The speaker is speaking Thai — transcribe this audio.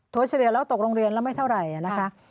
เฉลี่ยแล้วตกโรงเรียนแล้วไม่เท่าไหร่นะคะ